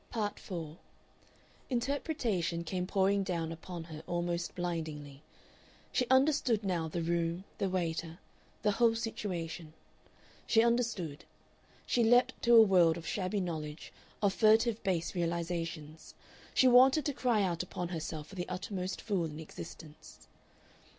Part 4 Interpretation came pouring down upon her almost blindingly; she understood now the room, the waiter, the whole situation. She understood. She leaped to a world of shabby knowledge, of furtive base realizations. She wanted to cry out upon herself for the uttermost fool in existence.